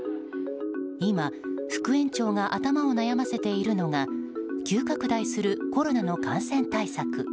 今、副園長が頭を悩ませているのが急拡大するコロナの感染対策。